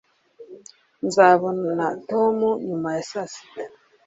nzabona tom nyuma ya saa sita